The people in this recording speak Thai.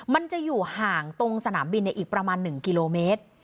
มันจะอยู่ห่างตรงสนามบินอีกประมาณ๑กิโลเมตร